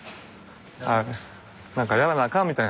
やらなあかんみたいな。